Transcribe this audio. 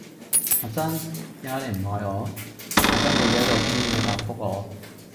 阿珍,點解你唔愛我?阿珍俾咗一個經典既答覆我